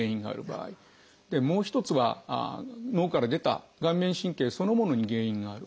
もう一つは脳から出た顔面神経そのものに原因がある。